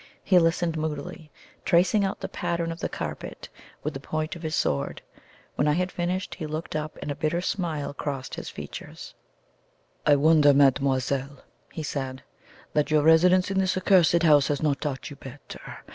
He listened moodily, tracing out the pattern of the carpet with the point of his sword. When I had finished he looked up, and a bitter smile crossed his features. "I wonder, mademoiselle," he said, "that your residence in this accursed house has not taught you better.